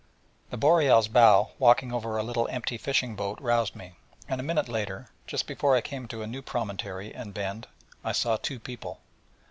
The Boreal's bow walking over a little empty fishing boat roused me, and a minute later, just before I came to a new promontory and bend, I saw two people.